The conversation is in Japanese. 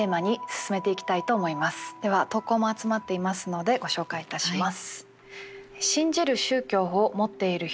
では投稿も集まっていますのでご紹介いたします。